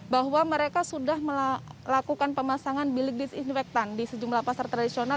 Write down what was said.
bahwa mereka sudah melakukan pemasangan bilik disinfektan di sejumlah pasar tradisional